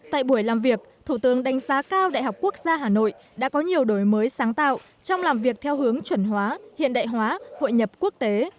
tại buổi làm việc thủ tướng đánh giá cao đại học quốc gia hà nội đã có nhiều đổi mới sáng tạo trong làm việc theo hướng chuẩn hóa hiện đại hóa hội nhập quốc tế